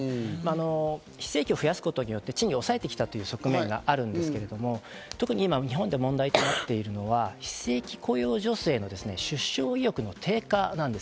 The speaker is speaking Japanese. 非正規を増やすことによって賃金を抑えてきた側面があるんですが、特に日本で今問題になっているのは非正規雇用女性の出生意欲の低下なんです。